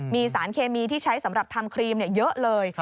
มีสารเคมีที่ใช้สำหรับทำครีมเยอะเลย